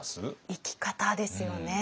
生き方ですよね。